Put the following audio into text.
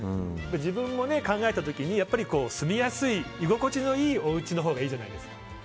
自分も考えた時に、住みやすい居心地のいいおうちのほうがいいじゃないですか。